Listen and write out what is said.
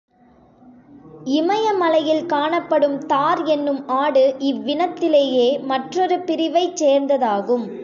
இமயமலையில் காணப்படும் தார் என்னும் ஆடு இவ்வினத்திலேயே மற்றொரு பிரிவைச் சேர்ந்ததாகும்.